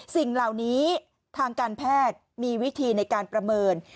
สิ่งเหล่านี้ทางการแพทย์มีวิธีในการประเมิน